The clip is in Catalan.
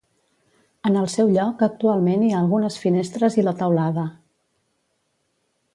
En el seu lloc actualment hi ha algunes finestres i la teulada.